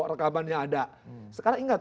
rekamannya ada sekarang ingat